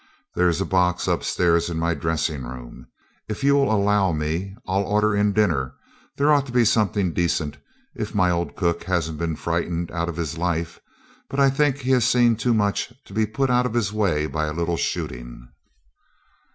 'There's a box upstairs in my dressing room. If you'll allow me I'll order in dinner. There ought to be something decent if my old cook hasn't been frightened out of his life, but I think he has seen too much to be put out of his way by a little shooting.'